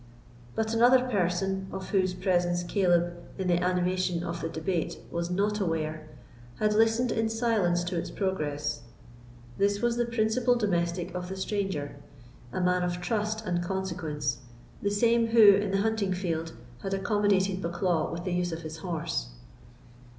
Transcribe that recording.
But another person, of whose presence Caleb, in the animation of the debate, was not aware, had listened in silence to its progress. This was the principal domestic of the stranger—a man of trust and consequence—the same who, in the hunting field, had accommodated Bucklaw with the use of his horse.